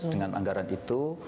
dengan anggaran itu